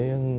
bà thị hằng